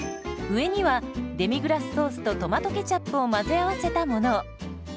上にはデミグラスソースとトマトケチャップを混ぜ合わせたものを。